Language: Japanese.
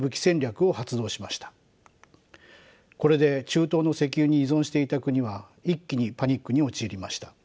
これで中東の石油に依存していた国は一気にパニックに陥りました。